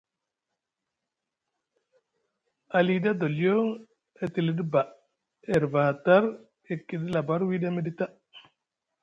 Aliɗi adoliyo e tilɗi ba e rivi aha tar e kiɗi labar wiɗi emiɗi taa.